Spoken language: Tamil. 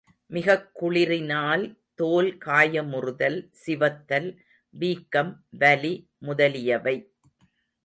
மிகக் குளிரினால் தோல் காயமுறுதல், சிவத்தல், வீக்கம், வலி முதலியவை.